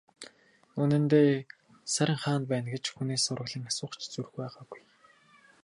Үнэндээ, Саран хаана байна гэж хүнээс сураглан асуух ч зүрх байгаагүй.